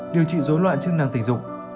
điều trị dối loạn chức năng tình dục